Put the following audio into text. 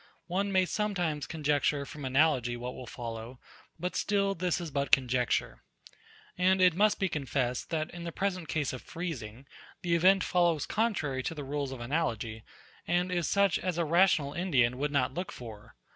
One may sometimes conjecture from analogy what will follow; but still this is but conjecture. And it must be confessed, that, in the present case of freezing, the event follows contrary to the rules of analogy, and is such as a rational Indian would not look for.